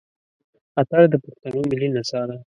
اتڼ د پښتنو ملي نڅا ده.